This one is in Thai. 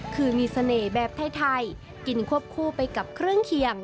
คือมีเสน่ห์แบบไทยกินควบคู่ไปกับเครื่องเคียง